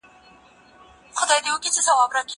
دا مرسته له هغه مهمه ده!.